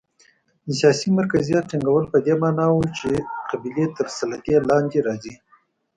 د سیاسي مرکزیت ټینګول په دې معنا و چې قبیلې تر سلطې لاندې راځي.